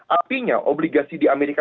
artinya obligasi di amerika